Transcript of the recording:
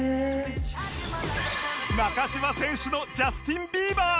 中島選手のジャスティン・ビーバー！